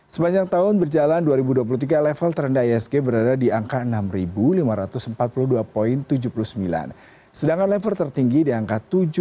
sepanjang tahun berjalan dua ribu dua puluh tiga level trend isg berada di angka enam lima ratus empat puluh dua tujuh puluh sembilan sedangkan level tertinggi di angka tujuh tiga ratus tiga belas tiga puluh empat